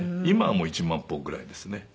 今はもう１万歩くらいですね。